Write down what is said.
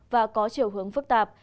và có triều hướng phức tạp